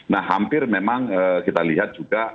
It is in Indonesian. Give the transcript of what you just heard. nah hampir memang kita lihat juga